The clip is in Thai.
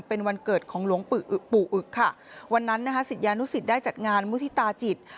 เป็นวันเกิดของหลวงปู่อึกค่ะวันนั้นนะคะศิษยานุสิตได้จัดงานมุฒิตาจิต